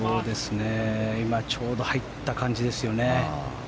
今ちょうど入った感じですよね。